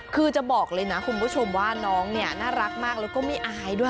คือจะบอกเลยนะคุณผู้ชมว่าน้องเนี่ยน่ารักมากแล้วก็ไม่อายด้วย